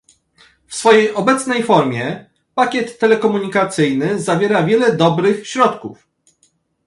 W swej obecnej formie, pakiet telekomunikacyjny zawiera wiele dobrych środków